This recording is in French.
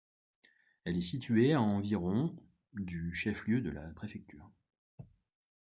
Elle est située à environ du chef-lieu de la préfecture.